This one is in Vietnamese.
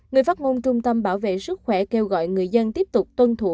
người phát ngôn trung tâm bảo vệ sức khỏe kêu gọi người dân tiếp tục tuân thủ